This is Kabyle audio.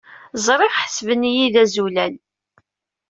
Ẓriɣ ḥesben-iyi d azulal.